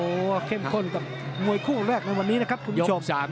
โอ้โหเข้มข้นกับมวยคู่แรกในวันนี้นะครับคุณผู้ชม